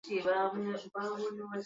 Guadiana ibaiak zeharkatzen du hiria.